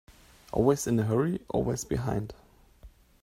Always in a hurry, always behind.